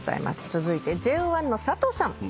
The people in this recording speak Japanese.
続いてＪＯ１の佐藤さん。